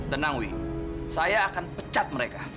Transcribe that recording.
tenang wik saya akan pecat mereka